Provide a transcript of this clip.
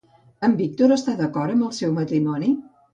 En Víctor està d'acord amb el seu matrimoni?